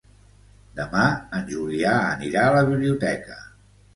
Demà en Julià anirà a la biblioteca.